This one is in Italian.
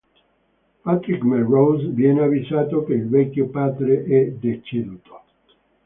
Patrick Melrose viene avvisato che il vecchio padre è deceduto.